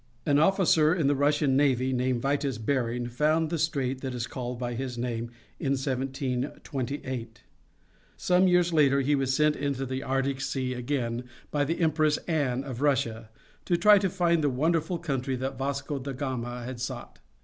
An officer in the Russian Navy named Vitus Bering found the strait that is called by his name in 1728. Some years later he was sent into the Arctic Sea again by the Empress Anne of Russia to try to find the wonderful country that Vasco de Gama had sought.